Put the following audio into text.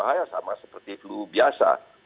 itu hal yang sama seperti flu biasa